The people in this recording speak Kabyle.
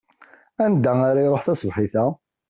Anda ara iṛuḥ tasebḥit-a?